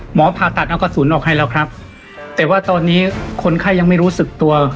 ผ่าตัดเอากระสุนออกให้แล้วครับแต่ว่าตอนนี้คนไข้ยังไม่รู้สึกตัว